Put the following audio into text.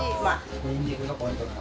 にんにくがポイントだな。